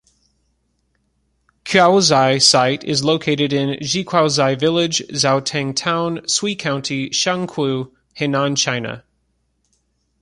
Qiaozhai site is located in Xiqiaozhai village, Zhoutang Town, Sui County, Shangqiu, Henan, China.